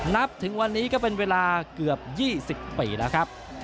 นับถึงวันนี้ก็เป็นเวลาเกือบ๒๐ปีแล้วครับ